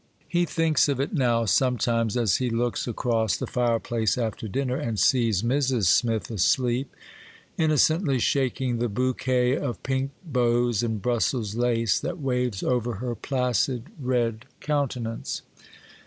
He thinks of it now, sometimes, as he looks across the fireplace after dinner and sees Mrs. Smith asleep, innocently shaking the bouquet of pink bows and Brussels lace that waves over her placid red countenance.